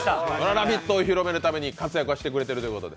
「ラヴィット！」を広めるために活躍はしてくれてるということで。